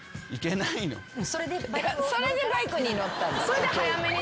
それでバイクに乗ったんだ。